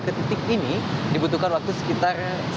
ke titik ini dibutuhkan waktu sekitar